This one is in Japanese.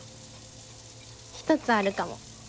１つあるかも。